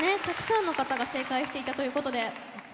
たくさんの方が正解していたということで。